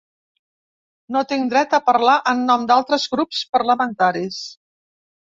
No tinc dret a parlar en nom d'altres grups parlamentaris.